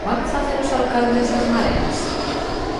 ¿Vano facer os alcaldes das Mareas?